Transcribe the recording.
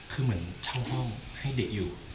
คือเหมือนช่างห้องให้เด็กอยู่